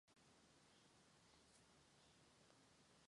Los nobles llegaron al castillo, solo para ver sonreír a la reina Bao Si.